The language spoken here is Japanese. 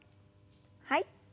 はい。